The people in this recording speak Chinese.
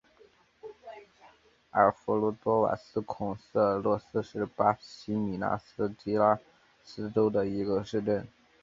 阿尔弗雷多瓦斯孔塞洛斯是巴西米纳斯吉拉斯州的一个市镇。